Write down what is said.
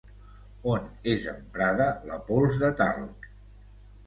On és emprada la pols de talc?